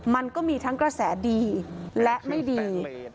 มันก็มีทั้งกระแสดีและไม่ดี